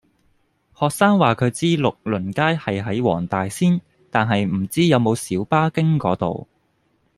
學生話佢知睦鄰街係喺黃大仙，但係唔知有冇小巴經嗰度